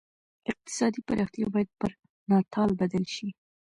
اقتصادي پراختیا باید پر ناتال بدل شي.